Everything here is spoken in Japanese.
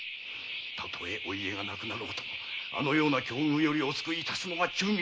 たとえお家がなくなろうともあのような境遇よりお救いいたすのが忠義というものじゃ。